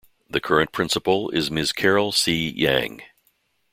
The current principal is Ms. Carol C. Yang.